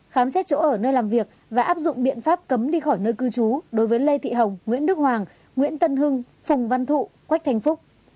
khám xét chỗ ở nơi làm việc và áp dụng biện pháp cấm đi khỏi nơi cư trú đối với lê thị hồng nguyễn đức hoàng nguyễn tân hưng phùng văn thụ quách thanh phúc